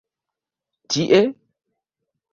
Tie?